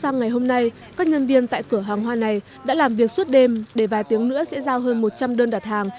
các nhân viên tại cửa hàng hoa này đã làm việc suốt đêm để vài tiếng nữa sẽ giao hơn một trăm linh đơn đặt hàng